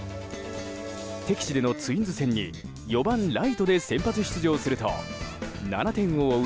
敵地でのツインズ戦に４番ライトで先発出場すると７点を追う